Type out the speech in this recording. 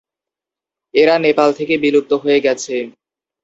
এরা নেপাল থেকে বিলুপ্ত হয়ে গেছে।